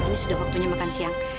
ini sudah waktunya makan siang